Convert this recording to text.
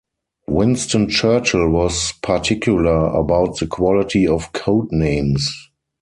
Winston Churchill was particular about the quality of code names.